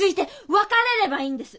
別れればいいんです。